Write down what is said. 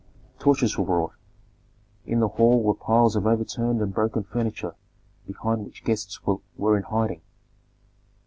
Torches were brought. In the hall were piles of overturned and broken furniture behind which guests were in hiding.